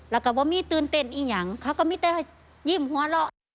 แล้วก็บ่มี่ตื่นเต้นอีหยังเขาก็ไม่แต่ยิ่มหัวเลาะ